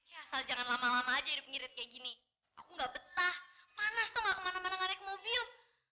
asal jangan lama lama aja irip ngirit kayak gini aku nggak betah panas tuh gak kemana mana gak naik mobil